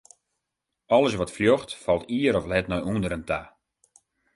Alles wat fljocht, falt ier of let nei ûnderen ta.